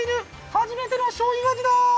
初めてのしょうゆ味だ！